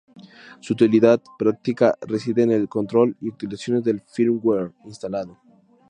Su utilidad práctica reside en el control y actualizaciones del firmware instalado.